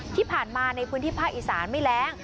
ที่ผ่านมาในพื้นที่ภาคอีสานไม่แรง